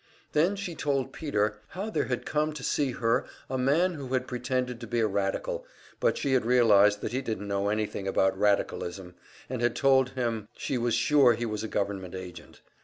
Then she told Peter how there had come to see her a man who had pretended to be a radical, but she had realized that he didn't know anything about radicalism, and had told him she was sure he was a government agent.